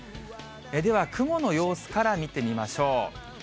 では雲の様子から見てみましょう。